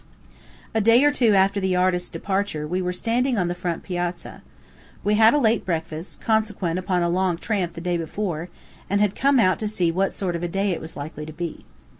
A day or two after the artist's departure, we were standing on the front piazza. We had had a late breakfast consequent upon a long tramp the day before and had come out to see what sort of a day it was likely to be.